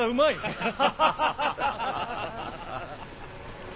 ハハハハ。